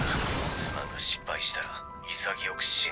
すまんが失敗したら潔く死ね。